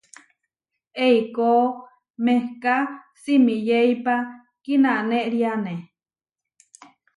Eikó mehká simiyéipa kinanériane.